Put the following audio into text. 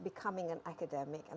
lebih banyak hal ini dan